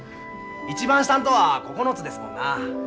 一番下んとは９つですもんな。